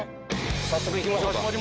早速行きましょうか。